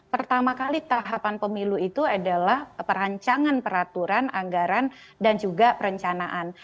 pertama kali tahapan pemilu itu adalah perancangan peraturan anggaran dan juga perencanaan